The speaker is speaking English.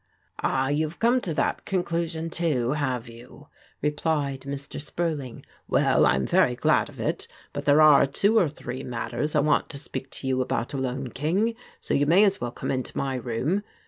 "Ah, you have come to that conclusion too, have you ?" replied Mr. Spurling. " Well, I am very glad of it ; but there are two or three matters I want to speak to you about alone, King, so you may as well come into my room.